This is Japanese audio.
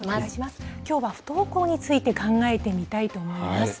きょうは不登校について考えてみたいと思います。